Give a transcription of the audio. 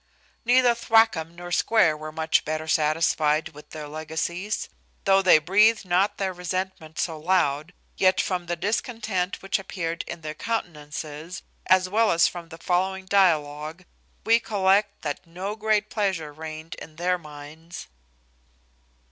Neither Thwackum nor Square were much better satisfied with their legacies. Though they breathed not their resentment so loud, yet from the discontent which appeared in their countenances, as well as from the following dialogue, we collect that no great pleasure reigned in their minds.